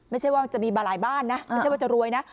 ไม่ใช่ว่าจะมีมาหลายบ้านนะไม่ใช่ว่าจะรวยนะ